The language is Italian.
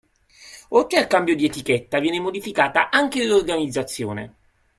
Oltre al cambio di etichetta viene modificata anche l'organizzazione.